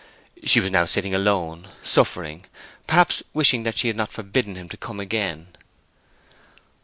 She was now sitting alone, suffering, perhaps wishing that she had not forbidden him to come again.